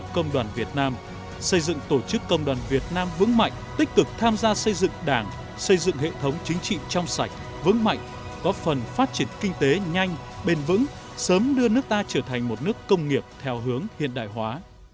công đoàn việt nam vững mạnh tích cực tham gia xây dựng đảng xây dựng hệ thống chính trị trong sạch vững mạnh có phần phát triển kinh tế nhanh bền vững sớm đưa nước ta trở thành một nước công nghiệp theo hướng hiện đại hóa